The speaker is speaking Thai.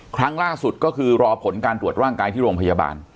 ครั้งล่าสุดก็คือรอผลการตรวจร่างกายที่โรงพยาบาล